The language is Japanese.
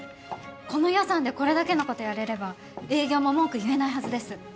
この予算でこれだけのことやれれば営業も文句言えないはずです。